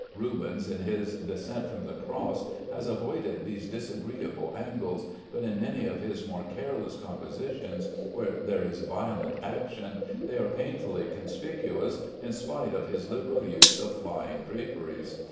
Rubens in his "Descent from the Cross" has avoided these disagreeable angles, but in many of his more careless compositions, where there is violent action, they are painfully conspicuous, in spite of his liberal use of flying draperies.